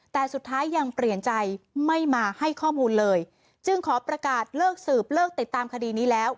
แต่สุดท้ายยังเปลี่ยนใจไม่มาให้ข้อมูลเลยจึงขอประกาศเลิกสืบเลิกติดตามคดีนี้แล้ว